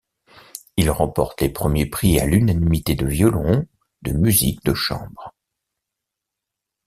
Il remporte les premiers prix à l'unanimité de violon, de musique de chambre.